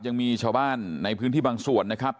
ยังมีชาวบ้านในพื้นที่บางส่วนนะครับ